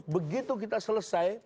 begitu kita selesai